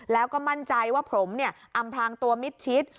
แล้วก็มั่นใจว่าผมอำพลางตัวมิดชิด